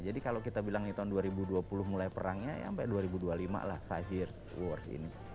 jadi kalau kita bilang ini tahun dua ribu dua puluh mulai perangnya ya sampai dua ribu dua puluh lima lah five years war ini